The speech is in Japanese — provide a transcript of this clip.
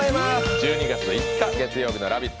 １２月５日月曜日の「ラヴィット！」